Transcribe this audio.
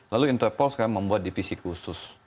lalu interpol sekarang membuat divisi khusus